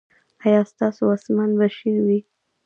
ایا ستاسو اسمان به شین وي؟